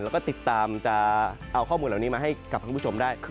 แล้วก็ติดตามจะเอาข้อมูลเหล่านี้มาให้กับท่านผู้ชมได้